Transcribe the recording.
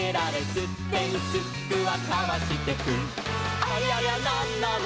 「すってんすっくはかわしてく」「ありゃりゃなんなの？